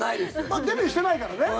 まだデビューしてないからね。